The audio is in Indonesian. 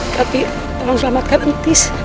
tapi tolong selamatkan litis